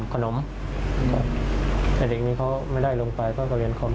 ก็โทษกันเลยครับ